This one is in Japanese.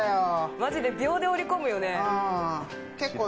マジで秒で折り込むよね。